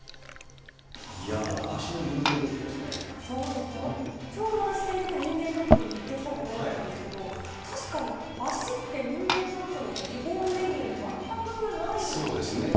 いやもう足の人間ドックですそうですね、ちょうど私、先日、人間ドックに行ってきたところなんですけど、確かに足って、人間ドックの際、基本メニューに全くないんですよね。